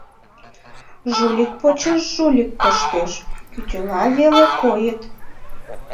Жулик почеш жулик коштеш, кӱтӱла веле койыт.